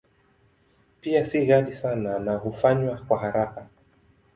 Pia si ghali sana na hufanywa kwa haraka.